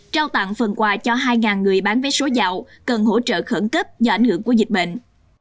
trao tặng phần quà cho hai người bán vé số dạo cần hỗ trợ khẩn cấp do ảnh hưởng của dịch bệnh